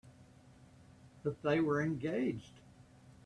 But they were engaged.